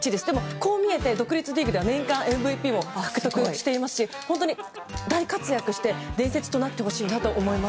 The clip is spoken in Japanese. こう見えて独立リーグでは年間ＭＶＰも獲得していますし本当に大活躍して伝説となってほしいなと思います。